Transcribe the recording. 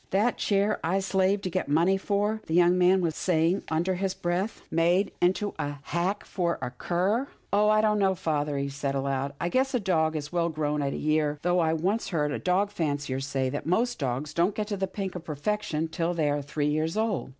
" That chair I slaved to get money for," the young man was saying under his breath, " made into 114 ^TILDA JANE'S ORPHANS a hack for a cur — Oh ! I don't know, father," he said aloud. " I guess a dog is well grown at a year, though I once heard a dog fancier say that most dogs don't get to the pink of perfection till they are three years old."